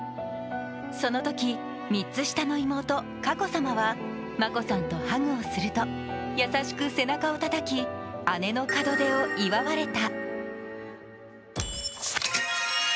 そのとき３つ下の妹、佳子さまは眞子さんとハグをすると優しく背中をたたき姉の門出を祝われた。